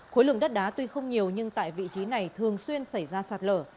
khối lượng đất đá tuy không nhiều nhưng tại vị trí này thường xuyên xảy ra sạt lở